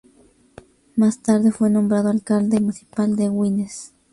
Más tarde, fue nombrado alcalde municipal de Güines.